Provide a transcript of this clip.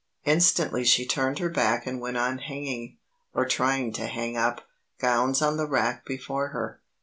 Instantly she turned her back and went on hanging, or trying to hang up, gowns on the rack before her.